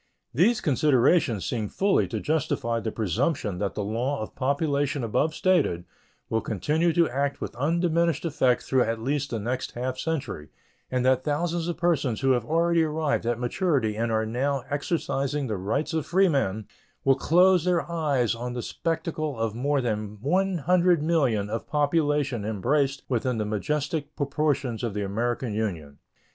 These considerations seem fully to justify the presumption that the law of population above stated will continue to act with undiminished effect through at least the next half century, and that thousands of persons who have already arrived at maturity and are now exercising the rights of freemen will close their eyes on the spectacle of more than 100,000,000 of population embraced within the majestic proportions of the American Union.